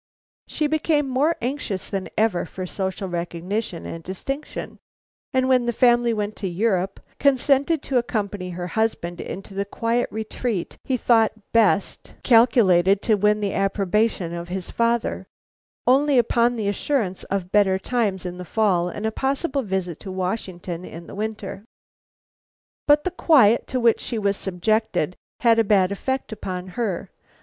She became more anxious than ever for social recognition and distinction, and when the family went to Europe, consented to accompany her husband into the quiet retreat he thought best calculated to win the approbation of his father, only upon the assurance of better times in the fall and a possible visit to Washington in the winter. But the quiet to which she was subjected had a bad effect upon her.